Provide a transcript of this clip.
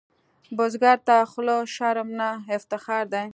بزګر ته خوله شرم نه، افتخار دی